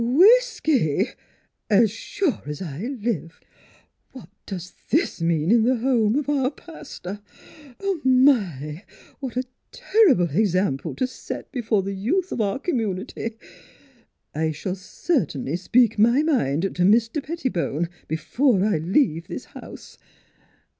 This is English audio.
... Whis key as sure as I live ! What does this mean in th' home of our paster ? My ! my ! What a terrible example t' set b'fore th' youth of our community! ... I shall cert'nly speak my mind t' Mis ter Pettibone before I leave this house.